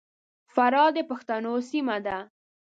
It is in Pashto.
فراه د پښتنو سیمه ده.